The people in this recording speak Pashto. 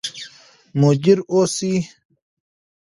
مدیر اوسئ.